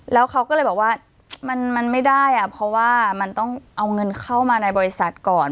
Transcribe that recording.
แล้วเขาก็เลยบอกว่ามันไม่ได้อ่ะเพราะว่ามันต้องเอาเงินเข้ามาในบริษัทก่อน